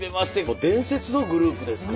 もう伝説のグループですから。